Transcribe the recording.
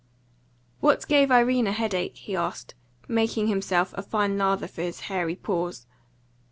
"What gave Irene a headache?" he asked, making himself a fine lather for his hairy paws.